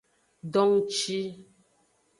Dongci.